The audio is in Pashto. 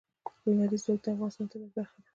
لمریز ځواک د افغانستان د طبیعت برخه ده.